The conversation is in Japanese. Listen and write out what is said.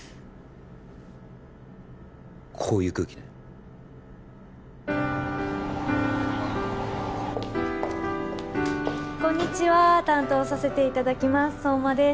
こういう空気ねこんにちは担当させていただきます相馬です